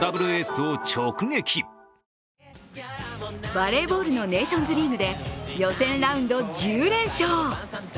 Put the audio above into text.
バレーボールのネーションズリーグで予選ラウンド１０連勝。